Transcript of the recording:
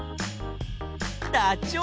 ダチョウ。